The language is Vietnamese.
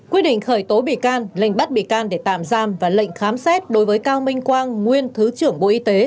quyết định khởi tố bị can lệnh bắt bị can để tạm giam và lệnh khám xét đối với cao minh quang nguyên thứ trưởng bộ y tế